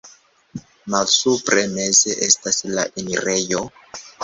Malsupre meze estas la enirejo.